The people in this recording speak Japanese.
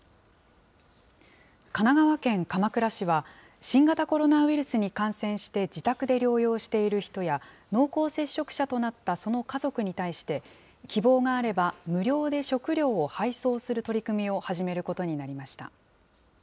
神奈川県鎌倉市は、新型コロナウイルスに感染して自宅で療養している人や、濃厚接触者となったその家族に対して、希望があれば、無料で食料を配送する取り組みを始めることになりました。